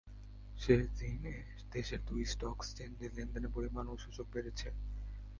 শেষ দিনে দেশের দুই স্টক এক্সচেঞ্জে লেনদেনের পরিমাণ ও সূচক বেড়েছে।